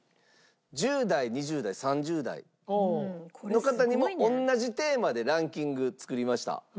１０代２０代３０代の方にも同じテーマでランキング作りました。